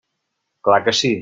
Clar que sí.